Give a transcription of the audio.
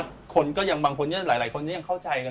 ท่านจะไม่ได้เป็นในภาพอื่นใช่ไหมคะ